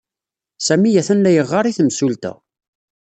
Sami atan la yeɣɣar i yimsulta.